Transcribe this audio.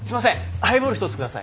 ハイボール１つ下さい。